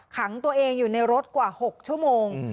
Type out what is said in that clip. ขังตัวเองอยู่ในรถกว่า๖ชั่วโมง